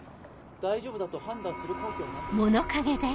大丈夫だと判断する根拠は何ですか？